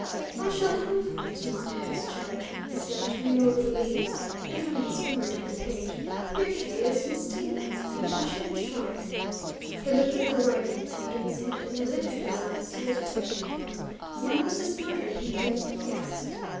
"I shall have to mark her discharge," he said, turning over the leaves, and running his finger down the page. "Here she is Miss Stevens, concussion and shock." He looked at the writing under his hand and then lifted his eyes to the detective. "When was this murder committed?" he asked.